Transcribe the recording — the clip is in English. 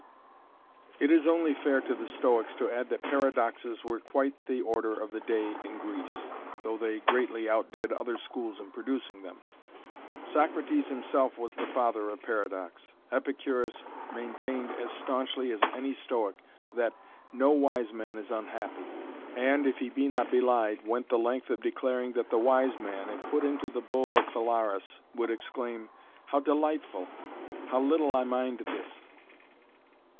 It is only fair to the Stoics to add that paradoxes were quite the order of the day in Greece, though they greatly outdid other schools in producing them. Socrates himself was the father of paradox. Epicurus maintained as staunchly as any Stoic that "No wise man is unhappy", and, if he be not belied, went the length of declaring that the wise man, if put into the bull of Phalaris would exclaim: "How delightful! How little I mind this!"